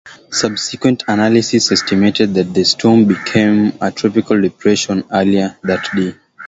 Subsequent analysis estimated that the storm became a tropical depression earlier that day.